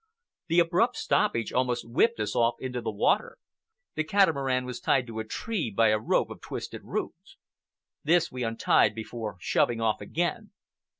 The abrupt stoppage almost whipped us off into the water. The catamaran was tied to a tree by a rope of twisted roots. This we untied before shoving off again.